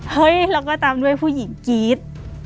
เฮ้ยเราก็ตามด้วยผู้หญิงกรี๊ด